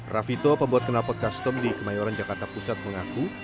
rafito pembuat kenalpot custom di kemayoran jakarta pusat mengaku